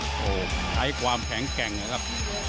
โอ้โหใช้ความแข็งแกร่งนะครับ